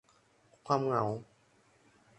ความเหงา